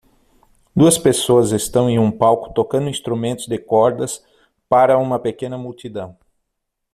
Duas pessoas estão em um palco tocando instrumentos de cordas para uma pequena multidão